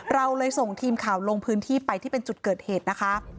เราเลยส่งทีมข่าวลงพื้นที่ไปที่เป็นจุดเกิดเหตุนะคะ